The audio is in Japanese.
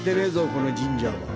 この神社は。